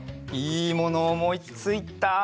いいものおもいついた！